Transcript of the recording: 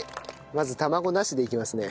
まず卵なしでいきますね。